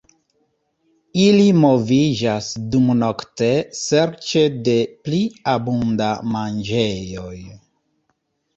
Ili moviĝas dumnokte serĉe de pli abunda manĝejoj.